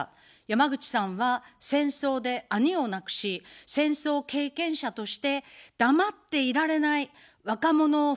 山口さんは、戦争で兄を亡くし、戦争経験者として黙っていられない、若者を